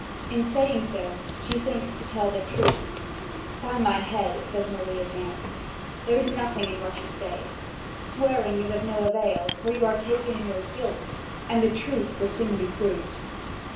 In saying so, she thinks she tells the truth. "By my head," says Meleagant, "there is nothing in what you say. Swearing is of no avail, for you are taken in your guilt, and the truth will soon be proved."